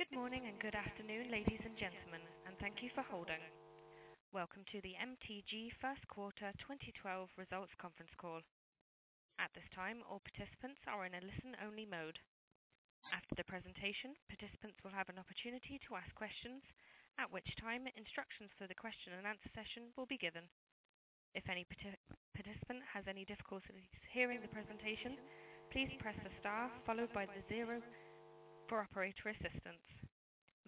Good morning and good afternoon, ladies and gentlemen, and thank you for holding. Welcome to the MTG First Quarter 2012 Results Conference Call. At this time, all participants are in a listen-only mode. After the presentation, participants will have an opportunity to ask questions, at which time instructions for the question and answer session will be given. If any participant has any difficulties hearing the presentation, please press the star followed by the zero for operator assistance.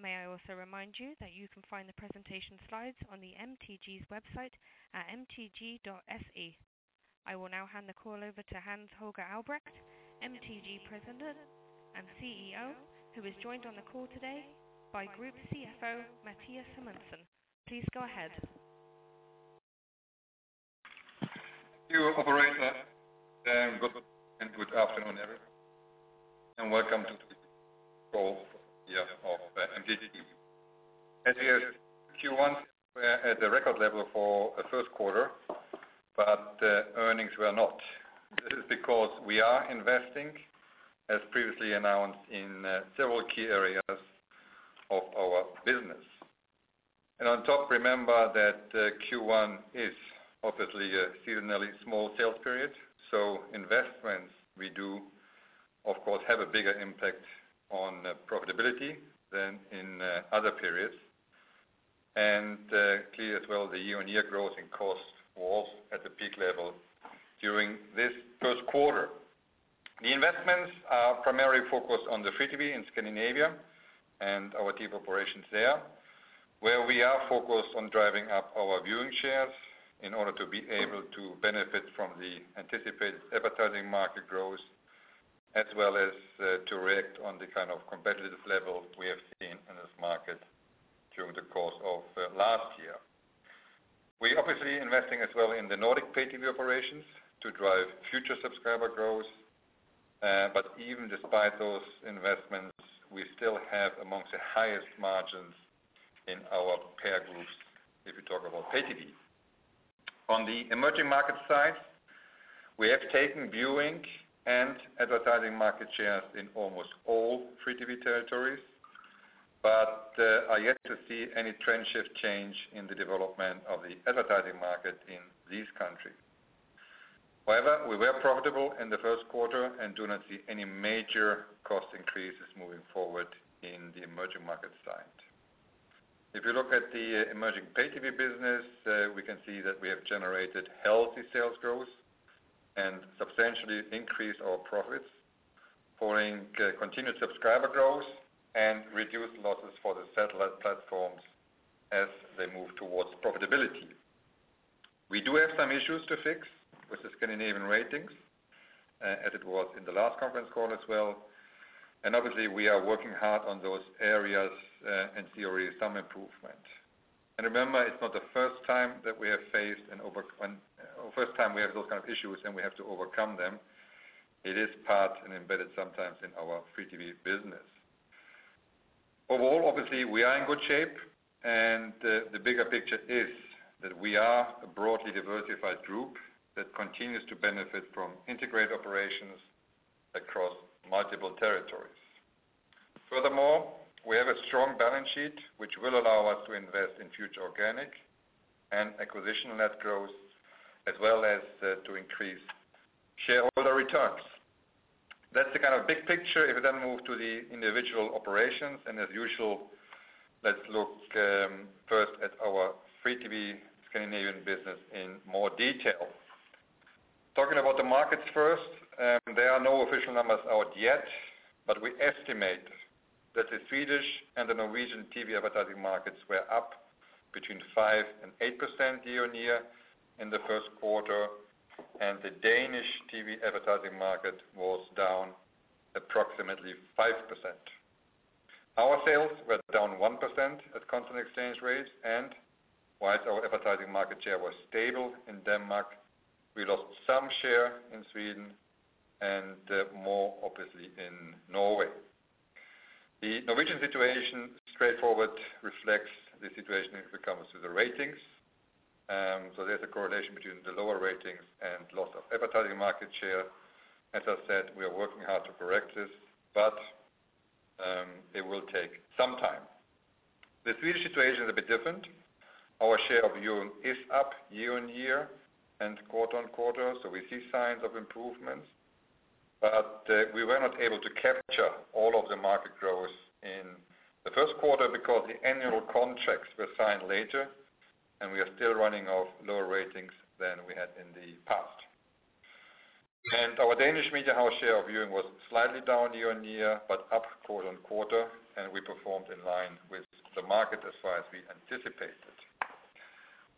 May I also remind you that you can find the presentation slides on the MTG's website at mtg.se. I will now hand the call over to Hans-Holger Albrecht, MTG President and CEO, who is joined on the call today by Group CFO, Mathias Simenon. Please go ahead. Thank you, operator, good afternoon, everyone, and welcome to the call here of MTG. As you hear, Q1 were at the record level for a first quarter, earnings were not. This is because we are investing, as previously announced, in several key areas of our business. On top, remember that Q1 is obviously a seasonally small sales period, investments we do, of course, have a bigger impact on profitability than in other periods. Clear as well, the year-on-year growth in costs was at the peak level during this first quarter. The investments are primarily focused on the free TV in Scandinavia and our TV operations there, where we are focused on driving up our viewing shares in order to be able to benefit from the anticipated advertising market growth, as well as to react on the kind of competitive level we have seen in this market through the course of last year. We're obviously investing as well in the Nordic Pay TV operations to drive future subscriber growth. Even despite those investments, we still have amongst the highest margins in our peer groups, if you talk about Pay TV. On the emerging market side, we have taken viewing and advertising market shares in almost all free TV territories, are yet to see any trend shift change in the development of the advertising market in these countries. However, we were profitable in the first quarter and do not see any major cost increases moving forward in the emerging market side. If you look at the emerging Pay TV business, we can see that we have generated healthy sales growth and substantially increased our profits following continued subscriber growth and reduced losses for the satellite platforms as they move towards profitability. We do have some issues to fix with the Scandinavian ratings, as it was in the last conference call as well. Obviously, we are working hard on those areas and see already some improvement. Remember, it's not the first time we have those kind of issues, and we have to overcome them. It is part and embedded sometimes in our free TV business. Overall, obviously, we are in good shape, and the bigger picture is that we are a broadly diversified group that continues to benefit from integrated operations across multiple territories. Furthermore, we have a strong balance sheet, which will allow us to invest in future organic and acquisitional net growth, as well as to increase shareholder returns. That's the kind of big picture. If we then move to the individual operations, as usual, let's look first at our free TV Scandinavian business in more detail. Talking about the markets first, there are no official numbers out yet, but we estimate that the Swedish and the Norwegian TV advertising markets were up between 5% and 8% year-on-year in the first quarter, and the Danish TV advertising market was down approximately 5%. Our sales were down 1% at constant exchange rates, and whilst our advertising market share was stable in Denmark, we lost some share in Sweden and more obviously in Norway. The Norwegian situation straightforward reflects the situation when it comes to the ratings. There's a correlation between the lower ratings and loss of advertising market share. As I said, we are working hard to correct this, but it will take some time. The Swedish situation is a bit different. Our share of viewing is up year-on-year and quarter-on-quarter, so we see signs of improvements. We were not able to capture all of the market growth in the first quarter because the annual contracts were signed later, and we are still running off lower ratings than we had in the past. Our Danish media house share of viewing was slightly down year-on-year but up quarter-on-quarter, and we performed in line with the market as far as we anticipated.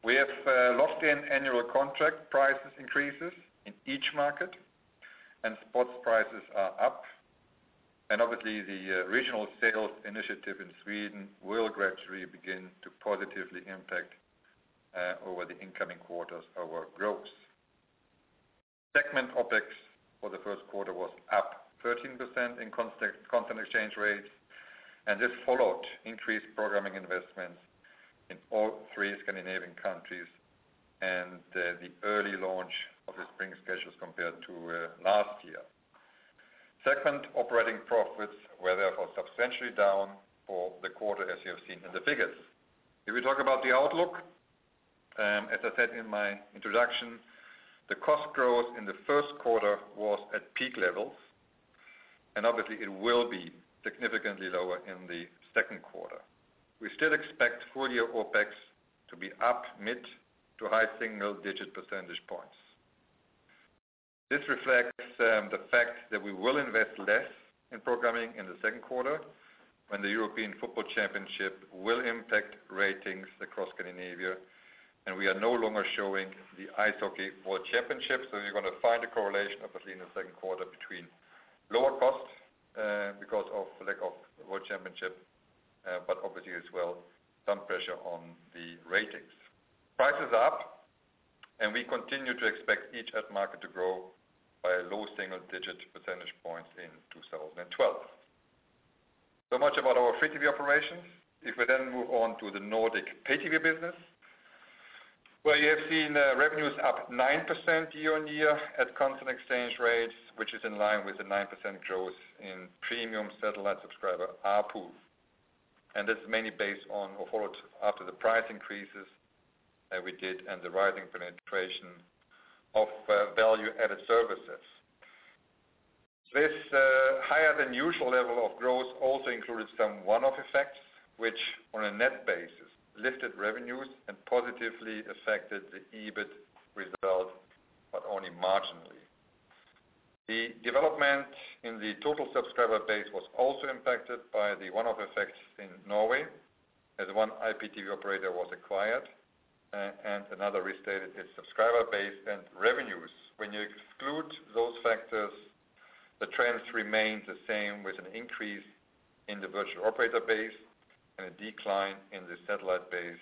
We have locked in annual contract prices increases in each market, and spots prices are up, and obviously, the regional sales initiative in Sweden will gradually begin to positively impact over the incoming quarters our growth. Segment OpEx for the first quarter was up 13% in constant exchange rates. This followed increased programming investments in all three Scandinavian countries and the early launch of the spring schedules compared to last year. Segment operating profits were therefore substantially down for the quarter, as you have seen in the figures. If we talk about the outlook, as I said in my introduction, the cost growth in the first quarter was at peak levels, and obviously, it will be significantly lower in the second quarter. We still expect full-year OpEx to be up mid to high single digit percentage points. This reflects the fact that we will invest less in programming in the second quarter, when the European Football Championship will impact ratings across Scandinavia, and we are no longer showing the Ice Hockey World Championship. You're going to find a correlation, obviously, in the second quarter between lower costs because of lack of world championship, but obviously as well, some pressure on the ratings. Prices are up, and we continue to expect each ad market to grow by low single digit percentage points in 2012. Much about our free TV operations. If we then move on to the Nordic pay TV business, where you have seen revenues up 9% year-on-year at constant exchange rates, which is in line with the 9% growth in premium satellite subscriber ARPU. This is mainly based on or followed after the price increases that we did and the rising penetration of value-added services. This higher than usual level of growth also included some one-off effects, which, on a net basis, lifted revenues and positively affected the EBIT result, but only marginally. The development in the total subscriber base was also impacted by the one-off effects in Norway, as one IPTV operator was acquired and another restated its subscriber base and revenues. When you exclude those factors, the trends remain the same, with an increase in the virtual operator base and a decline in the satellite base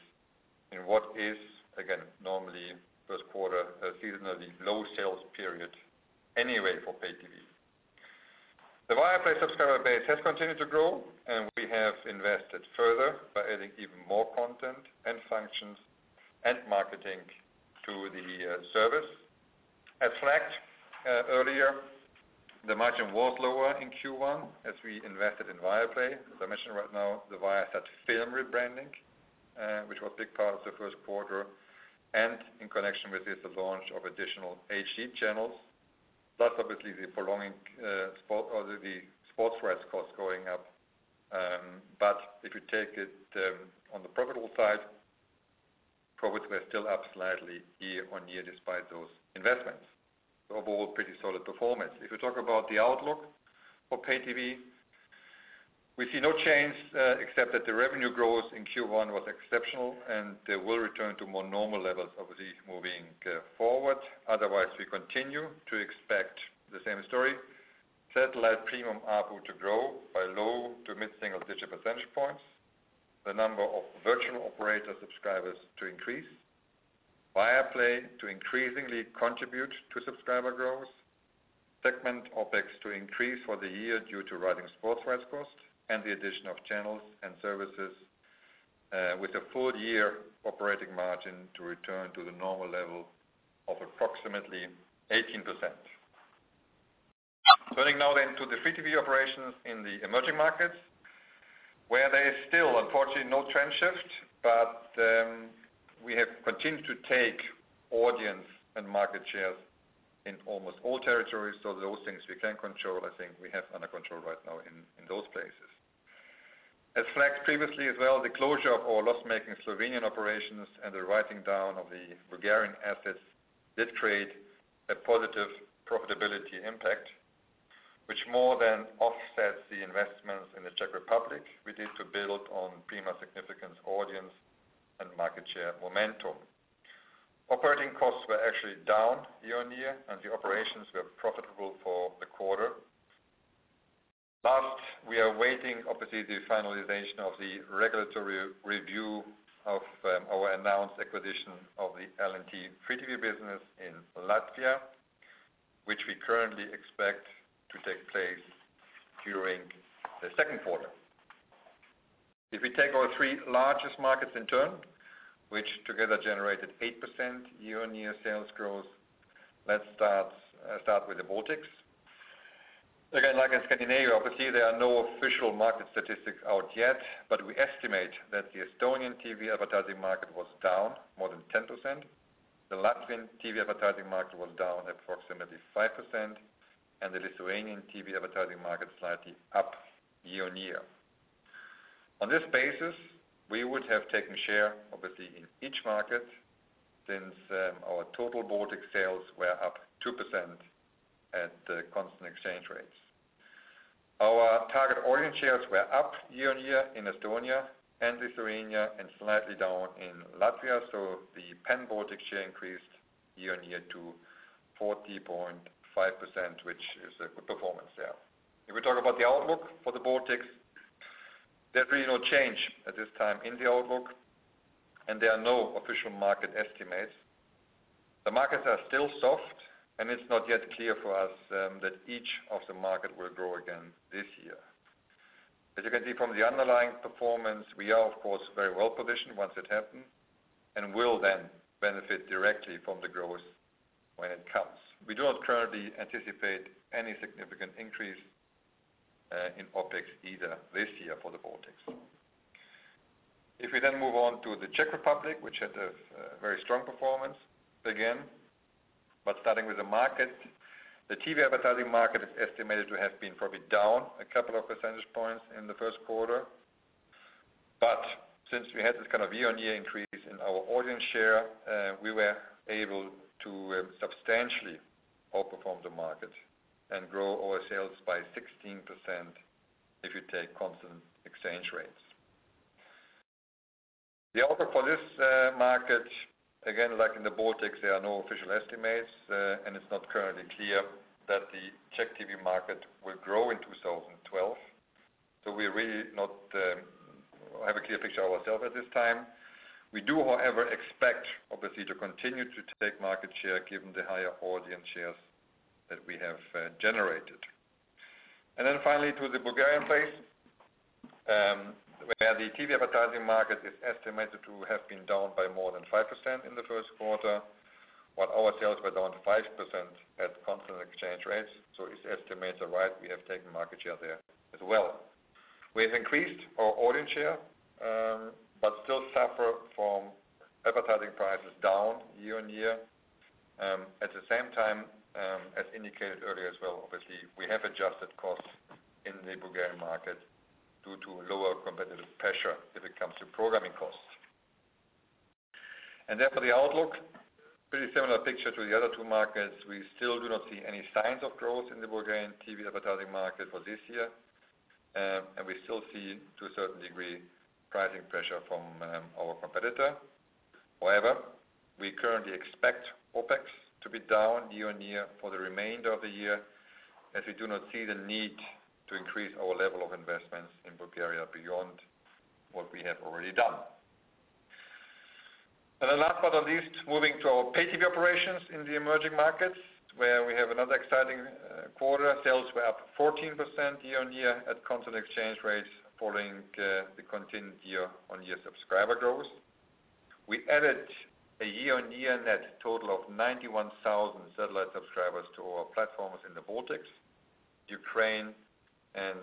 in what is, again, normally first quarter a seasonally low sales period anyway for pay TV. The Viaplay subscriber base has continued to grow, we have invested further by adding even more content and functions and marketing to the service. As flagged earlier, the margin was lower in Q1 as we invested in Viaplay. As I mentioned right now, the Viasat Film rebranding, which was a big part of the first quarter, and in connection with this, the launch of additional HD channels, plus obviously the prolonging sport or the sports rights cost going up. If you take it on the profitable side, profits were still up slightly year-on-year despite those investments. Overall pretty solid performance. If we talk about the outlook for pay TV, we see no change except that the revenue growth in Q1 was exceptional, they will return to more normal levels, obviously, moving forward. Otherwise, we continue to expect the same story. Satellite premium ARPU to grow by low to mid single digit percentage points. The number of virtual operator subscribers to increase. Viaplay to increasingly contribute to subscriber growth. Segment OpEx to increase for the year due to rising sports rights cost and the addition of channels and services with a full year operating margin to return to the normal level of approximately 18%. Turning now then to the free TV operations in the emerging markets, where there is still, unfortunately, no trend shift, we have continued to take audience and market shares in almost all territories. Those things we can control, I think we have under control right now in those places. As flagged previously as well, the closure of our loss-making Slovenian operations and the writing down of the Bulgarian assets did create a positive profitability impact, which more than offsets the investments in the Czech Republic we did to build on Prima significant audience and market share momentum. Operating costs were actually down year-on-year, the operations were profitable for the quarter. Last, we are awaiting obviously the finalization of the regulatory review of our announced acquisition of the LNT free TV business in Latvia, which we currently expect to take place during the second quarter. If we take our three largest markets in turn, which together generated 8% year-on-year sales growth, let's start with the Baltics. Like in Scandinavia, obviously, there are no official market statistics out yet, but we estimate that the Estonian TV advertising market was down more than 10%. The Latvian TV advertising market was down approximately 5%, and the Lithuanian TV advertising market slightly up year-on-year. On this basis, we would have taken share, obviously, in each market since our total Baltic sales were up 2% at the constant exchange rates. Our target audience shares were up year-on-year in Estonia and Lithuania and slightly down in Latvia, so the pan-Baltic share increased year-on-year to 40.5%, which is a good performance there. If we talk about the outlook for the Baltics, there is really no change at this time in the outlook, and there are no official market estimates. Markets are still soft, and it's not yet clear for us that each of the market will grow again this year. As you can see from the underlying performance, we are, of course, very well-positioned once it happens, and will then benefit directly from the growth when it comes. We do not currently anticipate any significant increase in OpEx either this year for the Baltics. We then move on to the Czech Republic, which had a very strong performance again, but starting with the market. TV advertising market is estimated to have been probably down a couple of percentage points in the first quarter. Since we had this kind of year-on-year increase in our audience share, we were able to substantially outperform the market and grow our sales by 16%, if you take constant exchange rates. Outlook for this market, like in the Baltics, there are no official estimates, and it's not currently clear that the Czech TV market will grow in 2012. We really don't have a clear picture ourselves at this time. We do, however, expect, obviously, to continue to take market share given the higher audience shares that we have generated. Finally to the Bulgarian place, where the TV advertising market is estimated to have been down by more than 5% in the first quarter, while our sales were down 5% at constant exchange rates. If estimates are right, we have taken market share there as well. We have increased our audience share, but still suffer from advertising prices down year-on-year. At the same time, as indicated earlier as well, obviously, we have adjusted costs in the Bulgarian market due to lower competitive pressure if it comes to programming costs. Therefore, the outlook, pretty similar picture to the other two markets. We still do not see any signs of growth in the Bulgarian TV advertising market for this year, and we still see, to a certain degree, pricing pressure from our competitor. However, we currently expect OpEx to be down year-on-year for the remainder of the year, as we do not see the need to increase our level of investments in Bulgaria beyond what we have already done. Last but not least, moving to our pay TV operations in the emerging markets, where we have another exciting quarter. Sales were up 14% year-on-year at constant exchange rates following the continued year-on-year subscriber growth. We added a year-on-year net total of 91,000 satellite subscribers to our platforms in the Baltics, Ukraine, and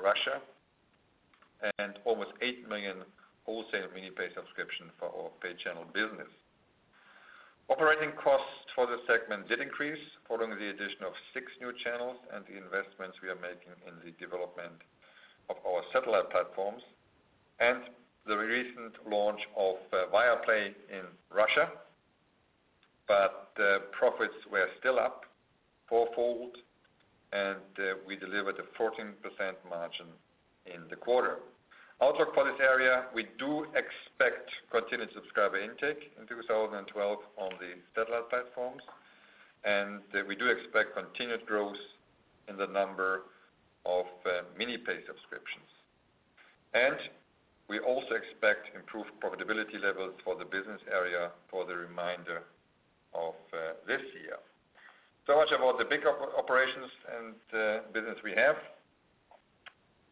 Russia, and almost 8 million wholesale mini-pay subscriptions for our pay channel business. Operating costs for the segment did increase following the addition of six new channels and the investments we are making in the development of our satellite platforms and the recent launch of Viaplay in Russia. Profits were still up fourfold, and we delivered a 14% margin in the quarter. Outlook for this area, we do expect continued subscriber intake in 2012 on the satellite platforms, and we do expect continued growth in the number of mini-pay subscriptions. We also expect improved profitability levels for the business area for the remainder of this year. Much about the big operations and business we have.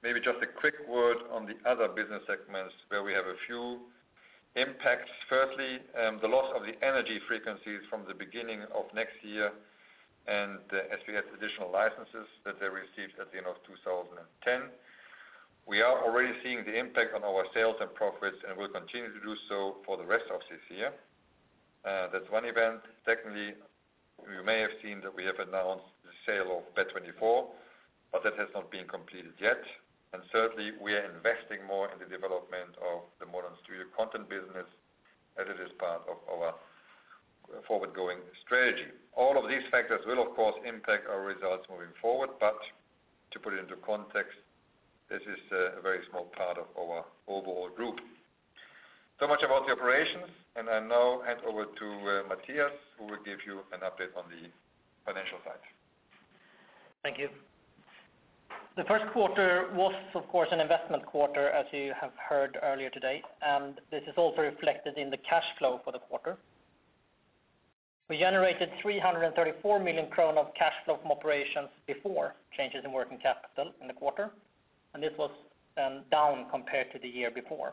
Maybe just a quick word on the other business segments where we have a few impacts. Firstly, the loss of the energy frequencies from the beginning of next year, and as we have additional licenses that they received at the end of 2010. We are already seeing the impact on our sales and profits and will continue to do so for the rest of this year. That's one event. Secondly, you may have seen that we have announced the sale of Bet24, but that has not been completed yet. Thirdly, we are investing more in the development of the MTG Studios business as it is part of our forward-going strategy. All of these factors will, of course, impact our results moving forward, but to put it into context, this is a very small part of our overall group. Much about the operations, and I now hand over to Mathias, who will give you an update on the financial side. Thank you. The first quarter was, of course, an investment quarter, as you have heard earlier today, and this is also reflected in the cash flow for the quarter. We generated 334 million of cash flow from operations before changes in working capital in the quarter, and this was down compared to the year before.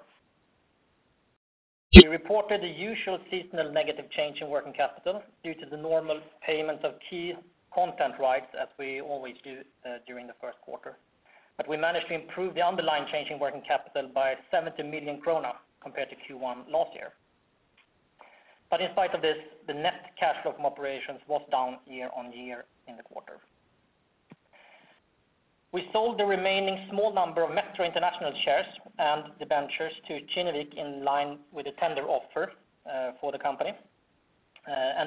We reported the usual seasonal negative change in working capital due to the normal payment of key content rights as we always do during the first quarter. We managed to improve the underlying change in working capital by 70 million krona compared to Q1 last year. In spite of this, the net cash flow from operations was down year-on-year in the quarter. We sold the remaining small number of Metro International shares and debentures to Kinnevik in line with the tender offer for the company.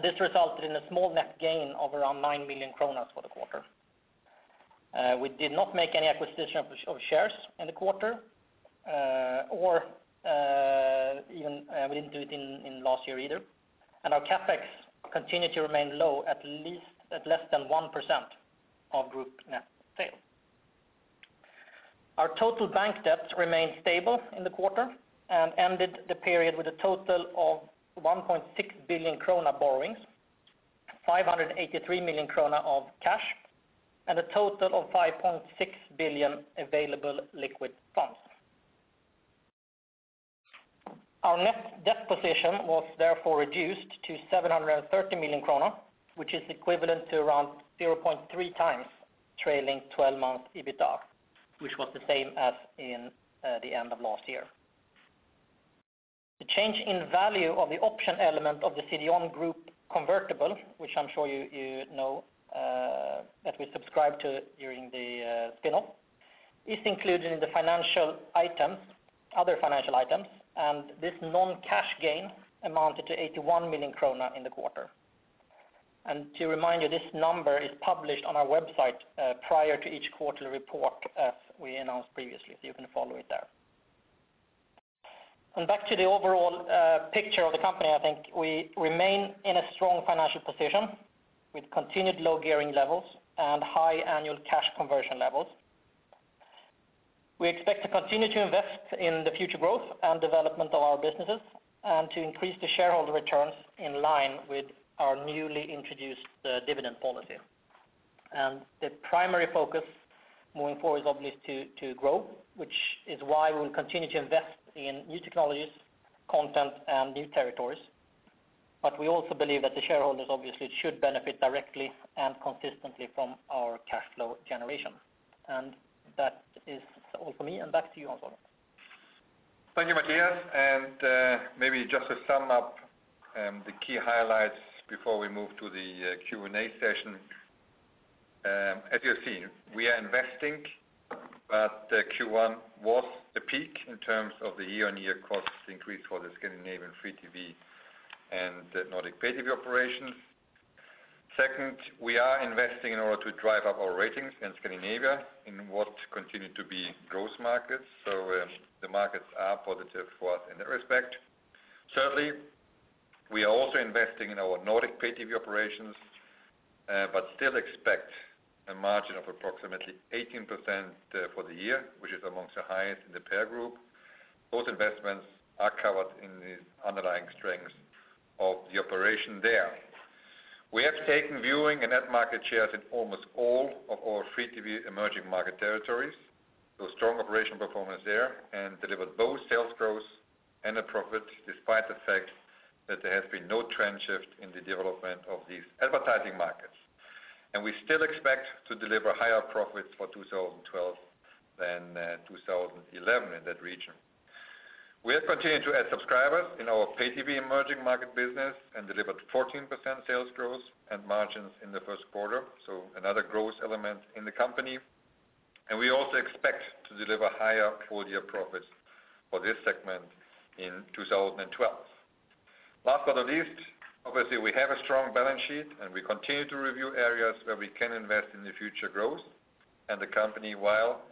This resulted in a small net gain of around 9 million kronor for the quarter. We did not make any acquisition of shares in the quarter, or even we didn't do it in last year either. Our CapEx continued to remain low, at least at less than 1% of group net sales. Our total bank debt remained stable in the quarter and ended the period with a total of 1.6 billion krona borrowings, 583 million krona of cash, and a total of 5.6 billion available liquid funds. Our net debt position was therefore reduced to 730 million kronor, which is equivalent to around 0.3 times trailing 12-month EBITDA, which was the same as in the end of last year. The change in value of the option element of the CDON Group convertible, which I'm sure you know that we subscribed to during the spin-off, is included in the other financial items. This non-cash gain amounted to 81 million krona in the quarter. To remind you, this number is published on our website prior to each quarterly report as we announced previously, so you can follow it there. Back to the overall picture of the company, I think we remain in a strong financial position with continued low gearing levels and high annual cash conversion levels. We expect to continue to invest in the future growth and development of our businesses and to increase the shareholder returns in line with our newly introduced dividend policy. The primary focus moving forward is obviously to grow, which is why we will continue to invest in new technologies, content and new territories. We also believe that the shareholders obviously should benefit directly and consistently from our cash flow generation. That is all for me, and back to you, Hans-Holger. Thank you, Mathias. Maybe just to sum up the key highlights before we move to the Q&A session. As you have seen, we are investing, but the Q1 was the peak in terms of the year-on-year cost increase for the Scandinavian free TV and the Nordic pay-TV operations. Second, we are investing in order to drive up our ratings in Scandinavia in what continue to be growth markets. The markets are positive for us in that respect. Thirdly, we are also investing in our Nordic pay-TV operations, but still expect a margin of approximately 18% for the year, which is amongst the highest in the peer group. Those investments are covered in the underlying strengths of the operation there. We have taken viewing and net market shares in almost all of our free TV emerging market territories. Strong operational performance there, and delivered both sales growth and a profit despite the fact that there has been no trend shift in the development of these advertising markets. We still expect to deliver higher profits for 2012 than 2011 in that region. We have continued to add subscribers in our pay-TV emerging market business and delivered 14% sales growth and margins in the first quarter, so another growth element in the company. We also expect to deliver higher full-year profits for this segment in 2012. Last but not least, obviously, we have a strong balance sheet, and we continue to review areas where we can invest in the future growth and the company, while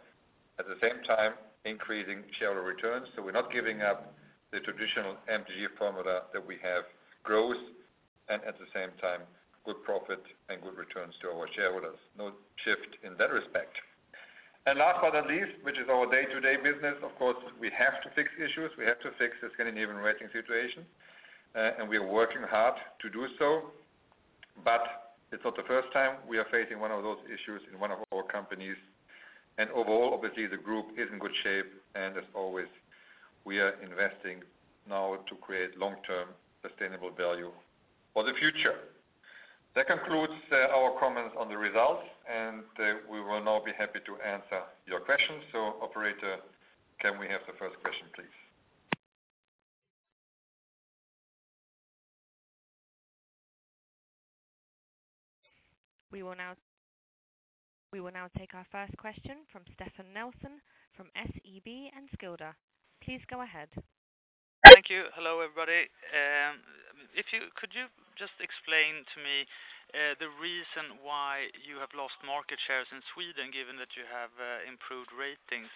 at the same time increasing shareholder returns. We're not giving up the traditional MTG formula that we have growth and at the same time good profit and good returns to our shareholders. No shift in that respect. Last but not least, which is our day-to-day business, of course, we have to fix issues. We have to fix the Scandinavian rating situation, and we are working hard to do so. It's not the first time we are facing one of those issues in one of our companies. Overall, obviously, the group is in good shape, and as always, we are investing now to create long-term sustainable value for the future. That concludes our comments on the results, and we will now be happy to answer your questions. Operator, can we have the first question, please? We will now take our first question from Stefan Nelson from SEB Enskilda. Please go ahead. Thank you. Hello, everybody. Could you just explain to me the reason why you have lost market shares in Sweden given that you have improved ratings?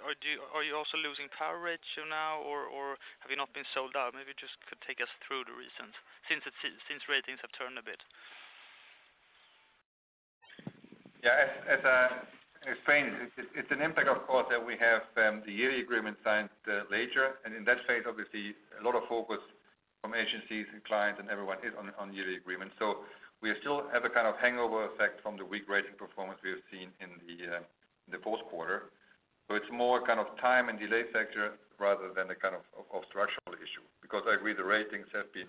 Are you also losing power ratio now, or have you not been sold out? Maybe you just could take us through the reasons since ratings have turned a bit. As I explained, it's an impact, of course, that we have the yearly agreement signed later. In that phase, obviously, a lot of focus from agencies and clients and everyone is on yearly agreement. We still have a kind of hangover effect from the weak rating performance we have seen in the fourth quarter. It's more a time and delay factor rather than a structural issue, because I agree the ratings have been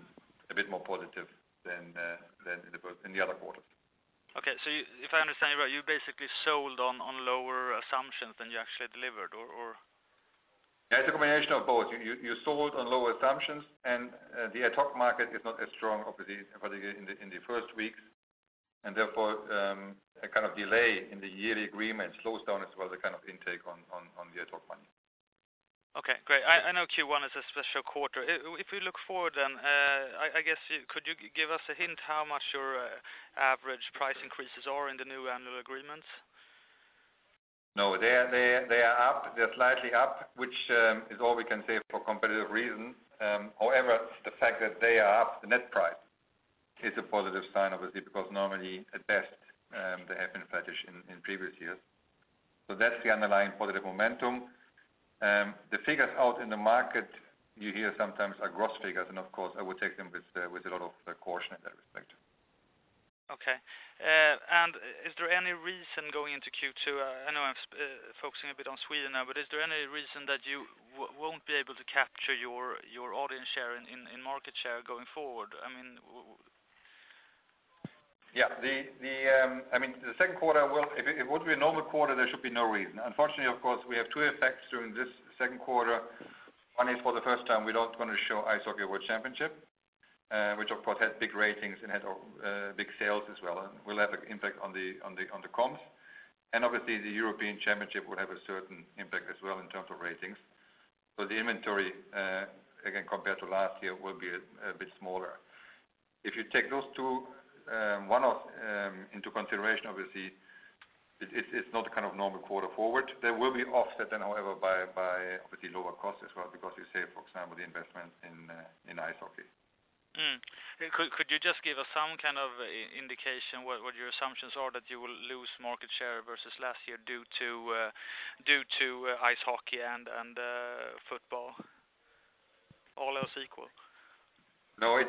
a bit more positive than in the other quarters. Okay. If I understand you right, you basically sold on lower assumptions than you actually delivered, or? Yeah, it's a combination of both. You sold on lower assumptions, and the ad hoc market is not as strong, obviously, in the first weeks, and therefore, a kind of delay in the yearly agreement slows down as well the kind of intake on the ad hoc money. Okay, great. I know Q1 is a special quarter. If we look forward, I guess could you give us a hint how much your average price increases are in the new annual agreements? No. They are up. They're slightly up, which is all we can say for competitive reasons. However, the fact that they are up the net price positive sign, obviously, because normally, at best, they have been flatish in previous years. That's the underlying positive momentum. The figures out in the market you hear sometimes are gross figures, and of course, I would take them with a lot of caution in that respect. Okay. Is there any reason going into Q2, I know I'm focusing a bit on Sweden now, but is there any reason that you won't be able to capture your audience share and market share going forward? Yeah. The second quarter, if it would be a normal quarter, there should be no reason. Unfortunately, of course, we have two effects during this second quarter. One is for the first time, we're not going to show Ice Hockey World Championship, which of course had big ratings and had big sales as well, and will have an impact on the comps. Obviously, the European Championship will have a certain impact as well in terms of ratings. The inventory, again, compared to last year, will be a bit smaller. If you take those two into consideration, obviously, it's not a normal quarter forward. There will be offset then, however, by obviously lower cost as well, because we save, for example, the investment in ice hockey. Could you just give us some kind of indication what your assumptions are that you will lose market share versus last year due to ice hockey and football, all else equal? No,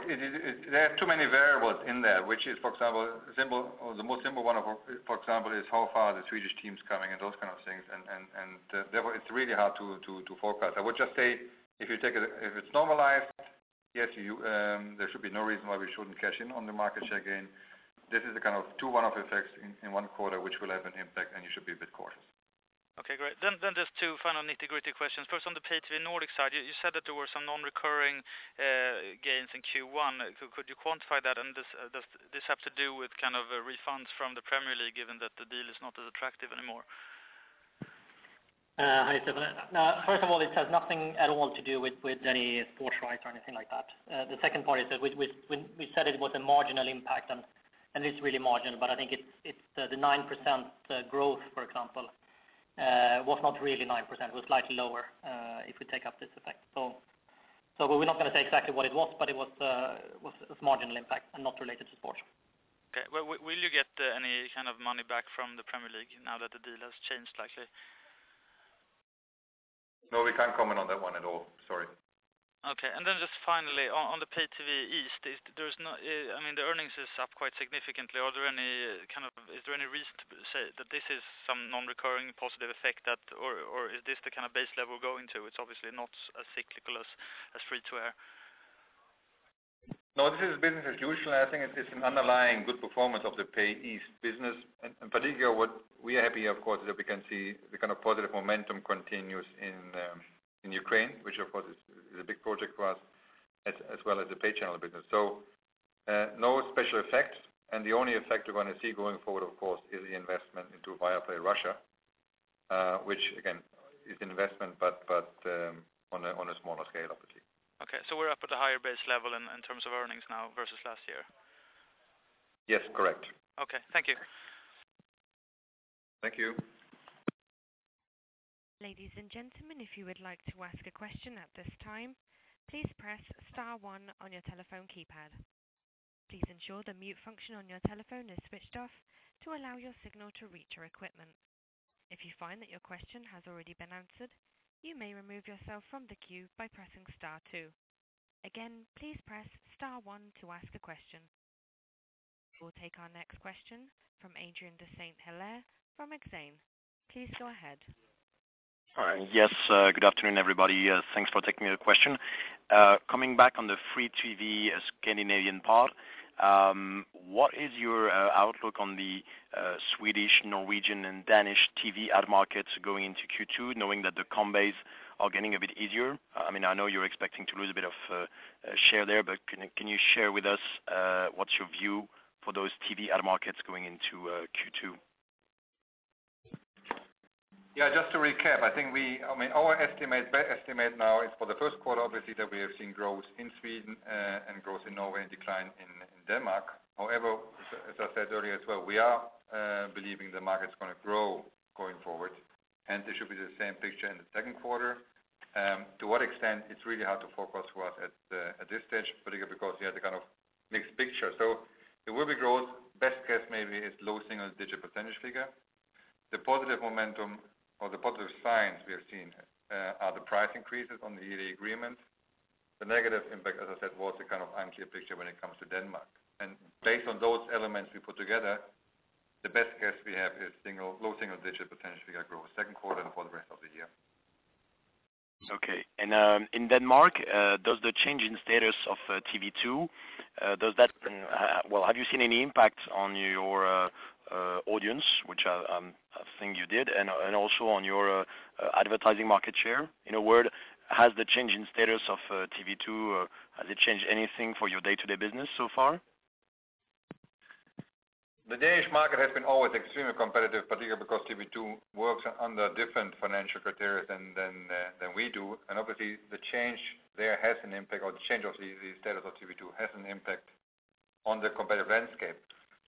there are too many variables in there, which is, for example, the most simple one, for example, is how far the Swedish team's coming and those kind of things. It's really hard to forecast. I would just say if it's normalized, yes, there should be no reason why we shouldn't cash in on the market share gain. This is a kind of two one-off effects in one quarter, which will have an impact, and you should be a bit cautious. Okay, great. Just two final nitty-gritty questions. First, on the pay TV Nordic side, you said that there were some non-recurring gains in Q1. Could you quantify that, and does this have to do with refunds from the Premier League, given that the deal is not as attractive anymore? Hi, Stefan. First of all, this has nothing at all to do with any sports rights or anything like that. The second part is that we said it was a marginal impact, and it is really marginal, but I think it's the 9% growth, for example, was not really 9%. It was slightly lower if we take out this effect. We're not going to say exactly what it was, but it was a marginal impact and not related to sports. Okay. Will you get any kind of money back from the Premier League now that the deal has changed slightly? No, we can't comment on that one at all. Sorry. Just finally, on the Pay TV East, the earnings is up quite significantly. Is there any reason to say that this is some non-recurring positive effect, or is this the base level going to? It's obviously not as cyclical as free to air. No, this is business as usual. I think it is an underlying good performance of the Pay East business. In particular, what we are happy, of course, is that we can see the positive momentum continues in Ukraine, which, of course, is a big project for us, as well as the pay channel business. No special effects, the only effect we're going to see going forward, of course, is the investment into Viaplay Russia, which again, is investment, but on a smaller scale, obviously. Okay. We're up at a higher base level in terms of earnings now versus last year? Yes, correct. Okay. Thank you. Thank you. Ladies and gentlemen, if you would like to ask a question at this time, please press star one on your telephone keypad. Please ensure the mute function on your telephone is switched off to allow your signal to reach our equipment. If you find that your question has already been answered, you may remove yourself from the queue by pressing star two. Again, please press star one to ask a question. We'll take our next question from Adrien de Saint Hilaire from Exane. Please go ahead. Yes. Good afternoon, everybody. Thanks for taking the question. Coming back on the free TV Scandinavian part, what is your outlook on the Swedish, Norwegian, and Danish TV ad markets going into Q2, knowing that the comm base are getting a bit easier? I know you're expecting to lose a bit of share there, but can you share with us what's your view for those TV ad markets going into Q2? Just to recap, I think our best estimate now is for the first quarter, obviously, that we have seen growth in Sweden and growth in Norway, and decline in Denmark. However, as I said earlier as well, we are believing the market is going to grow going forward, and this should be the same picture in the second quarter. To what extent, it is really hard to forecast for us at this stage, particularly because you have the mixed picture. There will be growth. Best case maybe is low single-digit percentage figure. The positive momentum or the positive signs we are seeing are the price increases on the agreement. The negative impact, as I said, was the unclear picture when it comes to Denmark. Based on those elements we put together, the best case we have is low single-digit percentage figure growth second quarter and for the rest of the year. In Denmark, does the change in status of TV 2, have you seen any impact on your audience, which I think you did, and also on your advertising market share? In a word, has the change in status of TV 2, has it changed anything for your day-to-day business so far? The Danish market has been always extremely competitive, particularly because TV 2 works under different financial criteria than we do, and obviously, the change there has an impact, or the change of the status of TV 2 has an impact on the competitive landscape.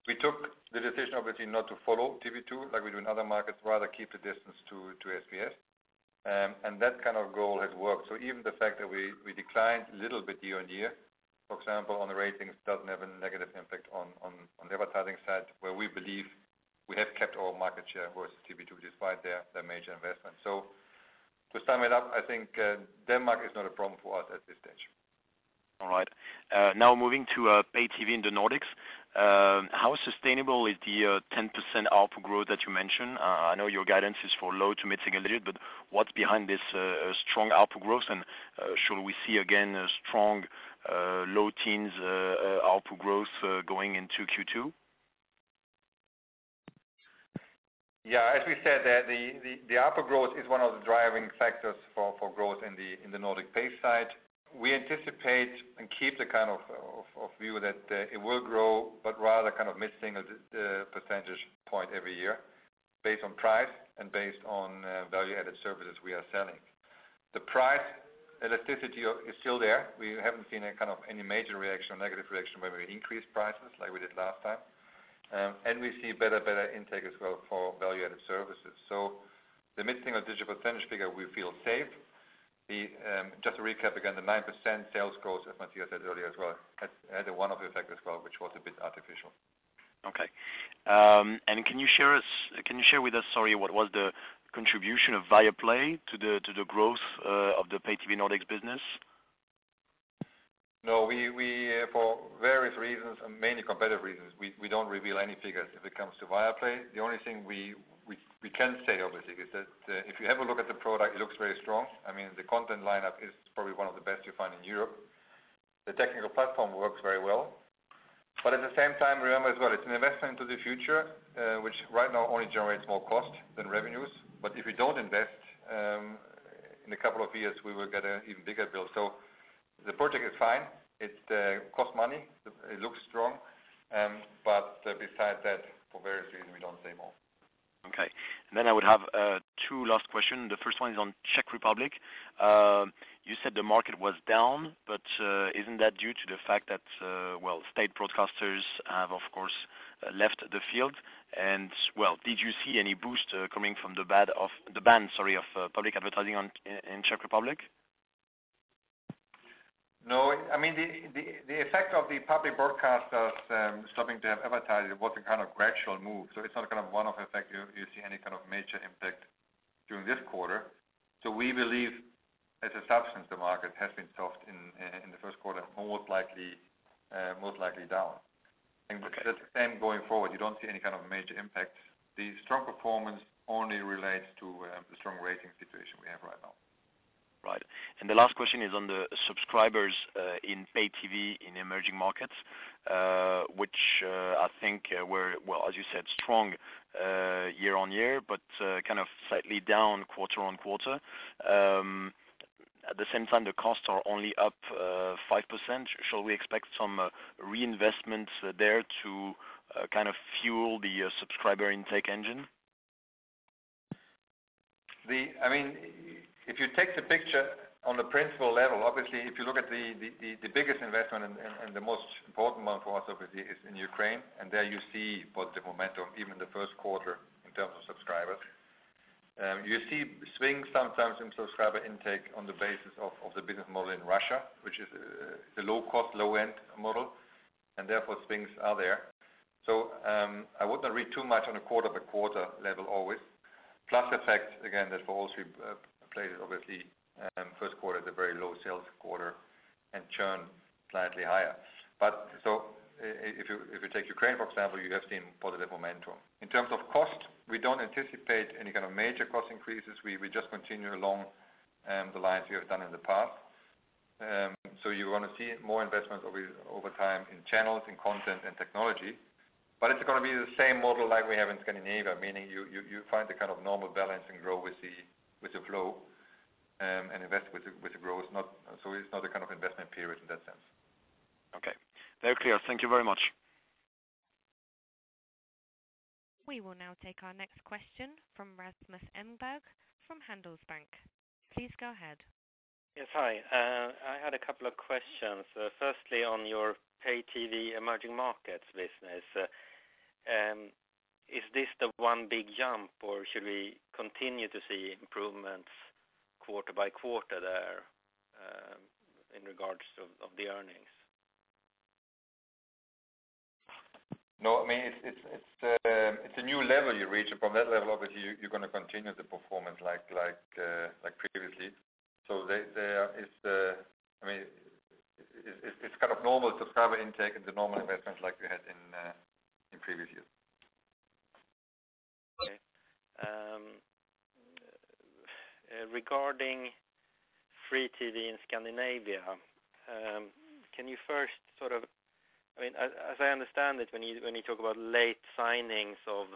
We took the decision, obviously, not to follow TV 2 like we do in other markets. Rather keep the distance to SBS. That kind of goal has worked. Even the fact that we declined a little bit year-on-year, for example, on the ratings, doesn't have a negative impact on the advertising side, where we believe we have kept our market share versus TV 2, despite their major investment. To sum it up, I think Denmark is not a problem for us at this stage. All right. Now moving to pay TV in the Nordics. How sustainable is the 10% output growth that you mentioned? I know your guidance is for low to mid-single digit, but what's behind this strong output growth, and should we see again strong low teens output growth going into Q2? Yeah, as we said, the output growth is one of the driving factors for growth in the Nordic pay side. We anticipate and keep the kind of view that it will grow, but rather mid-single percentage point every year based on price and based on value-added services we are selling. The price elasticity is still there. We haven't seen any major reaction or negative reaction where we increased prices like we did last time. We see better intake as well for value-added services. The mid-single-digit percentage figure, we feel safe. Just to recap again, the 9% sales growth, as Mathias said earlier as well, had a one-off effect as well, which was a bit artificial. Okay. Can you share with us, what was the contribution of Viaplay to the growth of the pay TV Nordics business? No. For various reasons, and mainly competitive reasons, we don't reveal any figures when it comes to Viaplay. The only thing we can say, obviously, is that if you have a look at the product, it looks very strong. The content lineup is probably one of the best you find in Europe. The technical platform works very well. At the same time, remember as well, it's an investment into the future, which right now only generates more cost than revenues. If we don't invest, in a couple of years, we will get an even bigger bill. The project is fine. It costs money. It looks strong. Besides that, for various reasons, we don't say more. Okay. I would have two last questions. The first one is on Czech Republic. You said the market was down, isn't that due to the fact that state broadcasters have, of course, left the field? Did you see any boost coming from the ban of public advertising in Czech Republic? No. The effect of the public broadcasters stopping their advertising was a kind of gradual move. It's not a one-off effect you see any kind of major impact during this quarter. We believe as a substance, the market has been soft in the first quarter, most likely down. Okay. Going forward, you don't see any kind of major impact. The strong performance only relates to the strong rating situation we have right now. Right. The last question is on the subscribers in pay TV in emerging markets, which I think were, as you said, strong year-on-year, but kind of slightly down quarter-on-quarter. At the same time, the costs are only up 5%. Shall we expect some reinvestments there to fuel the subscriber intake engine? If you take the picture on the principal level, obviously, if you look at the biggest investment and the most important one for us obviously is in Ukraine, and there you see positive momentum even in the first quarter in terms of subscribers. You see swings sometimes in subscriber intake on the basis of the business model in Russia, which is the low cost, low-end model, and therefore swings are there. I would not read too much on a quarter-by-quarter level always. Plus effect, again, that for us, we played obviously first quarter is a very low sales quarter and churn slightly higher. If you take Ukraine, for example, you have seen positive momentum. In terms of cost, we don't anticipate any kind of major cost increases. We just continue along the lines we have done in the past. You want to see more investments over time in channels, in content, and technology. It's going to be the same model like we have in Scandinavia, meaning you find the kind of normal balance and grow with the flow and invest with the growth. It's not a kind of investment period in that sense. Okay. Very clear. Thank you very much. We will now take our next question from Rasmus Engberg from Handelsbanken. Please go ahead. Yes. Hi. I had a couple of questions. Firstly, on your Pay TV emerging markets business, is this the one big jump or should we continue to see improvements quarter by quarter there in regards of the earnings? No, it's a new level you reach. From that level, obviously, you're going to continue the performance like previously. It's kind of normal subscriber intake and the normal investments like we had in previous years. Okay. Regarding Free TV in Scandinavia, as I understand it, when you talk about late signings of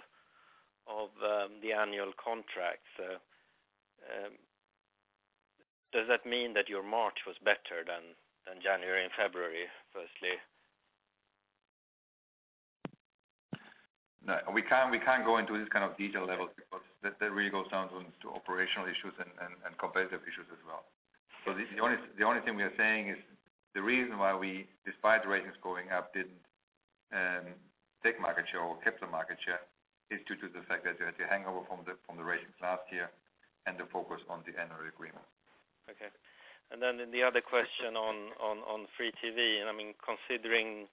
the annual contracts, does that mean that your March was better than January and February, firstly? No. We can't go into this kind of detail level because that really goes down to operational issues and competitive issues as well. The only thing we are saying is the reason why we, despite the ratings going up, didn't take market share or kept the market share is due to the fact that you had the hangover from the ratings last year and the focus on the annual agreement. Okay. The other question on free TV, considering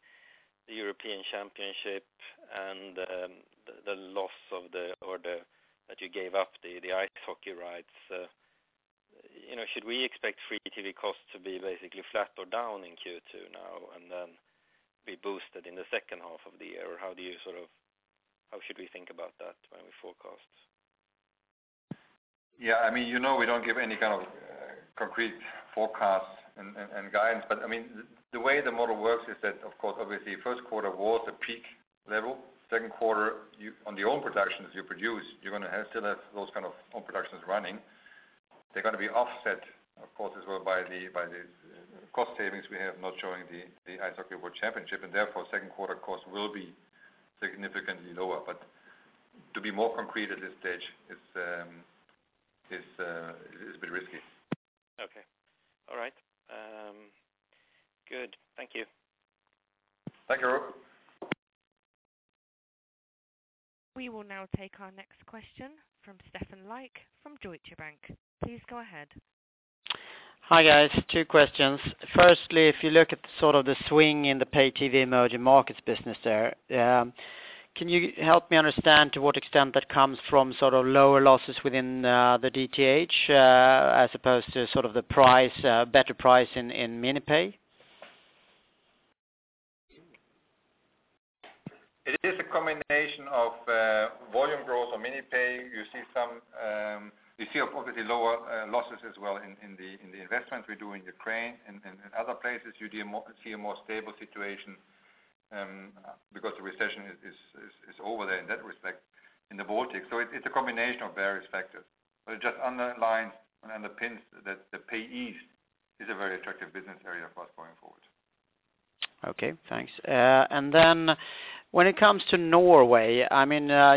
the European Championship and the loss that you gave up, the ice hockey rights. Should we expect free TV costs to be basically flat or down in Q2 now and then be boosted in the second half of the year? Or how should we think about that when we forecast? Yeah. You know we don't give any kind of concrete forecast and guidance, the way the model works is that, of course, obviously, first quarter was the peak level. Second quarter, on the own productions you produce, you're going to still have those kind of own productions running. They're going to be offset, of course, as well by the cost savings we have not showing the Ice Hockey World Championship, and therefore second quarter costs will be significantly lower. To be more concrete at this stage is a bit risky. Okay. All right. Good. Thank you. Thank you. We will now take our next question from Stefan Lycke from Deutsche Bank. Please go ahead. Hi, guys. Two questions. Firstly, if you look at the swing in the pay TV emerging markets business there, can you help me understand to what extent that comes from lower losses within the DTH as opposed to the better price in mini-pay? It is a combination of volume growth on mini-pay. You see, obviously, lower losses as well in the investment we do in Ukraine and other places. You see a more stable situation, because the recession is over there in that respect in the Baltics. It's a combination of various factors. It just underlines and underpins that the Pay East is a very attractive business area for us going forward. Okay, thanks. When it comes to Norway,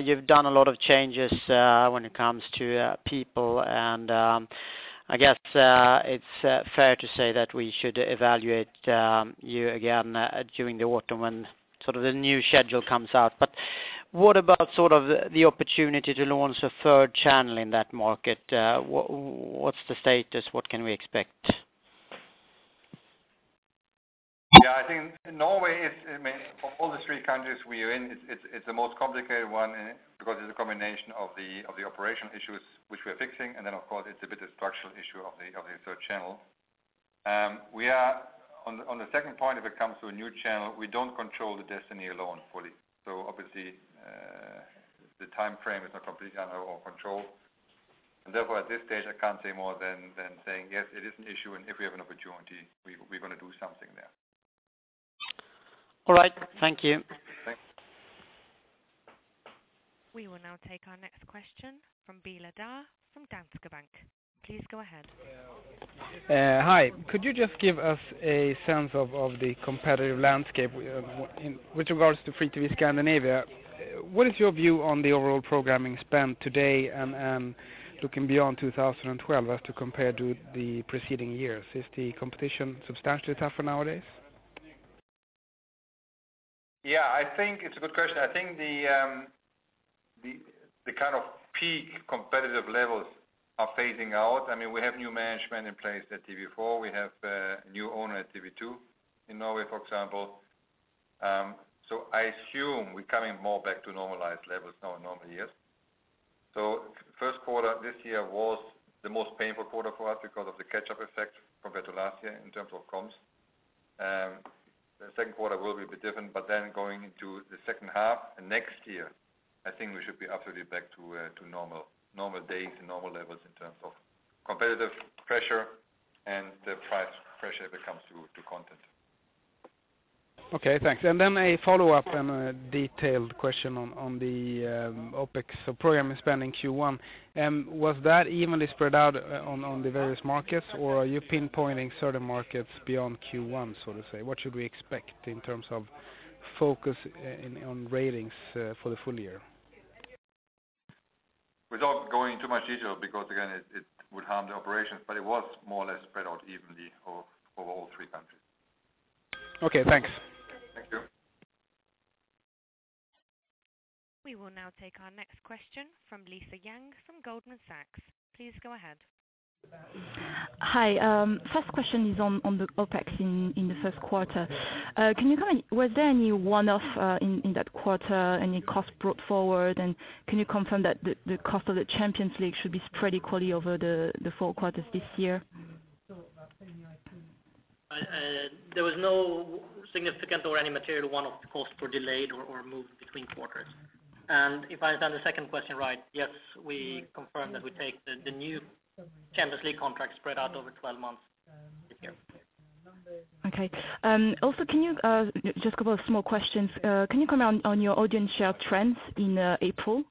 you've done a lot of changes when it comes to people, and I guess it's fair to say that we should evaluate you again during the autumn when the new schedule comes out. What about the opportunity to launch a third channel in that market? What's the status? What can we expect? Yeah, I think Norway is, of all the three countries we are in, it's the most complicated one because it's a combination of the operational issues which we are fixing, and then, of course, it's a bit of structural issue of the third channel. On the second point, if it comes to a new channel, we don't control the destiny alone fully. Obviously, the timeframe is not completely under our control. Therefore, at this stage, I can't say more than saying, yes, it is an issue, and if we have an opportunity, we're going to do something there. All right. Thank you. Thanks. We will now take our next question from Bela Dar from Danske Bank. Please go ahead. Hi. Could you just give us a sense of the competitive landscape with regards to free TV Scandinavia? What is your view on the overall programming spend today and looking beyond 2012 as to compare to the preceding years? Is the competition substantially tougher nowadays? It's a good question. I think the peak competitive levels are phasing out. We have new management in place at TV4. We have a new owner at TV 2 in Norway, for example. I assume we're coming more back to normalized levels now in normal years. First quarter this year was the most painful quarter for us because of the catch-up effect compared to last year in terms of comps. The second quarter will be a bit different, going into the second half and next year, I think we should be absolutely back to normal days and normal levels in terms of competitive pressure and the price pressure that comes through to content. Okay, thanks. A follow-up and a detailed question on the OpEx, so programming spend in Q1. Was that evenly spread out on the various markets, or are you pinpointing certain markets beyond Q1 so to say? What should we expect in terms of focus on ratings for the full year? Without going into much detail, because again, it would harm the operations, it was more or less spread out evenly over all three countries. Okay, thanks. Thank you. We will now take our next question from Lisa Yang from Goldman Sachs. Please go ahead. Hi. First question is on the OpEx in the first quarter. Was there any one-off in that quarter, any cost brought forward, and can you confirm that the cost of the Champions League should be spread equally over the four quarters this year? There was no significant or any material one-off cost were delayed or moved between quarters. If I understand the second question right, yes, we confirm that we take the new Champions League contract spread out over 12 months this year. Okay. Just a couple of small questions. Can you comment on your audience share trends in April?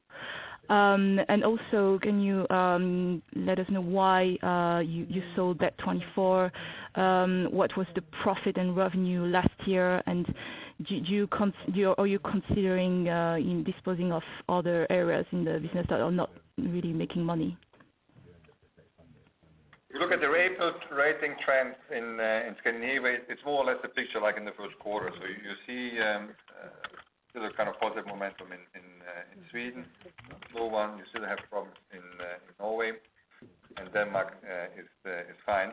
Can you let us know why you sold Bet24? What was the profit and revenue last year, and are you considering disposing of other areas in the business that are not really making money? If you look at the rating trends in Scandinavia, it's more or less a picture like in the first quarter. You see still a positive momentum in Sweden. In Norway, you still have problems in Norway and Denmark is fine.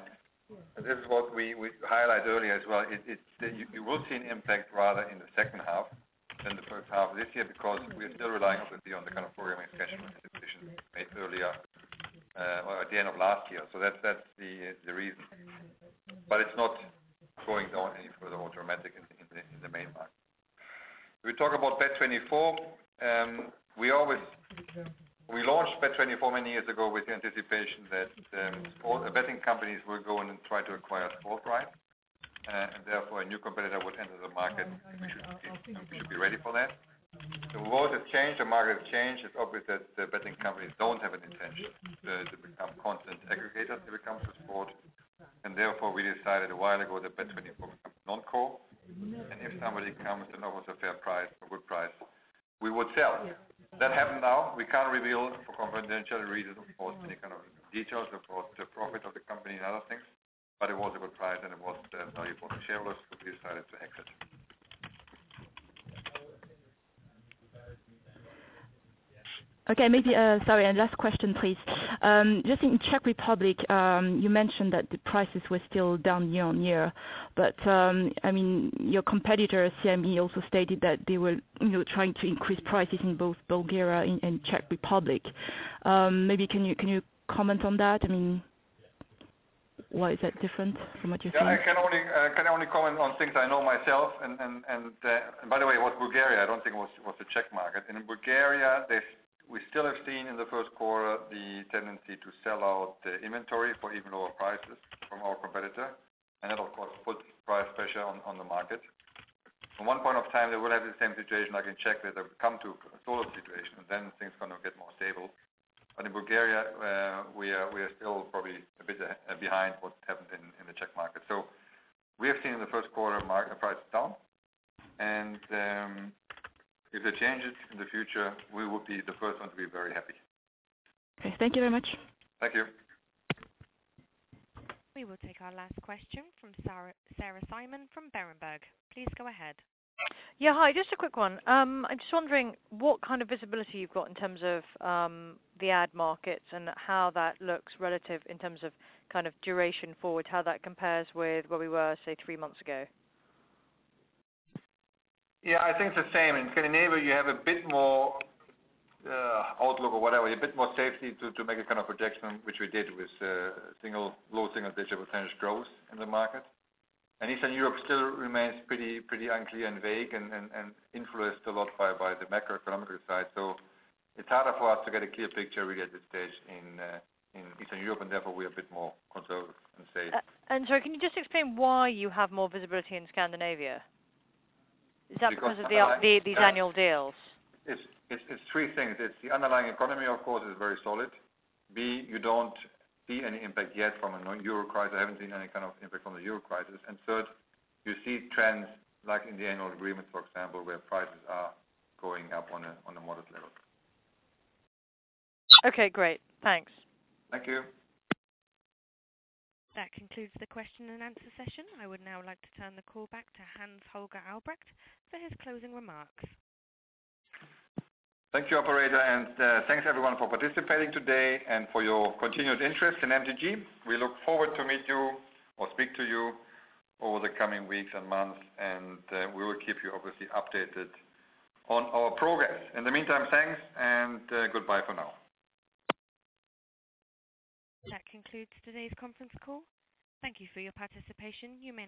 This is what we highlighted earlier as well. You will see an impact rather in the second half than the first half of this year, because we are still relying, obviously, on the kind of programming decisions made earlier or at the end of last year. That's the reason. It's not going on any further more dramatic in the main market. We talk about Bet24. We launched Bet24 many years ago with the anticipation that all the betting companies will go in and try to acquire sports rights, and therefore a new competitor would enter the market and we should be ready for that. The world has changed, the market has changed. It's obvious that the betting companies don't have an intention to become content aggregators when it comes to sport, and therefore, we decided a while ago that Bet24 becomes non-core. If somebody comes and offers a fair price, a good price, we would sell. That happened now. We can't reveal for confidential reasons, of course, any kind of details about the profit of the company and other things, but it was a good price, and it was valuable for the shareholders, so we decided to exit. Okay, maybe, sorry, last question, please. Just in Czech Republic, you mentioned that the prices were still down year-on-year. Your competitor, CME, also stated that they were trying to increase prices in both Bulgaria and Czech Republic. Maybe can you comment on that? Why is that different from what you're seeing? Yeah, I can only comment on things I know myself. By the way, it was Bulgaria. I don't think it was the Czech market. In Bulgaria, we still have seen in the first quarter the tendency to sell out the inventory for even lower prices from our competitor. That, of course, puts price pressure on the market. At one point of time, they will have the same situation like in Czech, that they come to a sort of situation, then things going to get more stable. In Bulgaria, we are still probably a bit behind what happened in the Czech market. We have seen in the first quarter market price is down, and if it changes in the future, we will be the first ones to be very happy. Okay. Thank you very much. Thank you. We will take our last question from Sarah Simon from Berenberg. Please go ahead. Yeah. Hi. Just a quick one. I'm just wondering what kind of visibility you've got in terms of the ad markets and how that looks relative in terms of duration forward, how that compares with where we were, say, three months ago. Yeah, I think it's the same. In Scandinavia, you have a bit more outlook or whatever, a bit more safety to make a projection, which we did with low single-digit % growth in the market. Eastern Europe still remains pretty unclear and vague and influenced a lot by the macroeconomic side. It's harder for us to get a clear picture really at this stage in Eastern Europe, and therefore we are a bit more conservative and safe. Sorry, can you just explain why you have more visibility in Scandinavia? Is that because of these annual deals? It's three things. It's the underlying economy, of course, is very solid. B, you don't see any impact yet from a Euro crisis. I haven't seen any kind of impact from the Euro crisis. Third, you see trends like in the annual agreements, for example, where prices are going up on a modest level. Okay, great. Thanks. Thank you. That concludes the question and answer session. I would now like to turn the call back to Hans-Holger Albrecht for his closing remarks. Thank you, operator, and thanks everyone for participating today and for your continued interest in MTG. We look forward to meet you or speak to you over the coming weeks and months, and we will keep you obviously updated on our progress. In the meantime, thanks and goodbye for now. That concludes today's conference call. Thank you for your participation. You may disconnect at this time.